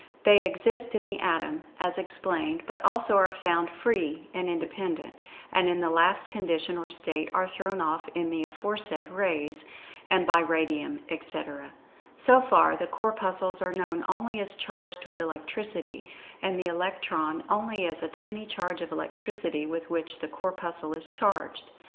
They exist in the Atom, as explained, but also are found "free" and independent, and in the last condition or state are thrown off in the aforesaid "Rays," and by Radium, etc. So far the Corpuscles are known only as[Pg 74] charged with Electricity, and the Electron only as a tiny charge of Electricity with which the Corpuscle is charged.